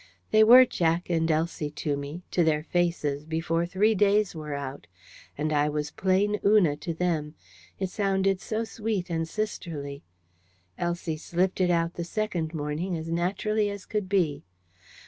They were "Jack" and "Elsie" to me, to their faces, before three days were out; and I was plain "Una" to them: it sounded so sweet and sisterly. Elsie slipped it out the second morning as naturally as could be.